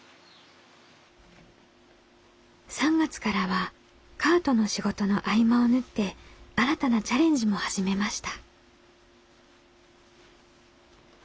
３月からはカートの仕事の合間を縫って新たなチャレンジも始めました。